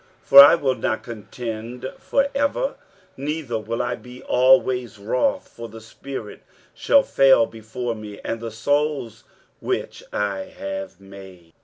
23:057:016 For I will not contend for ever, neither will I be always wroth: for the spirit should fail before me, and the souls which I have made.